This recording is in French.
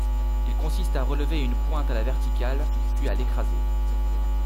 Il consiste à relever une pointe à la verticale puis à l'écraser.